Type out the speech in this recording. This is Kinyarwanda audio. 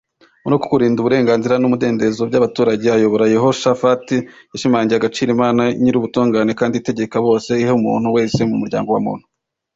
Muri uku kurinda uburenganzira numudendezo byabaturage ayobora Yehoshafati yashimangiye agaciro Imana nyirubutungane kandi itegeka bose iha umuntu wese mu muryango wa muntu